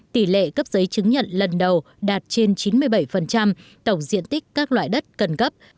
tỷ lệ cấp giấy chứng nhận lần đầu đạt trên chín mươi bảy tổng diện tích các loại đất cần cấp